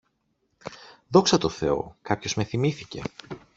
Δόξα τω θεώ, κάποιος με θυμήθηκε